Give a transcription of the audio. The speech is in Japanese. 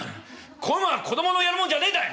こういうのは子供のやるもんじゃねんだ」。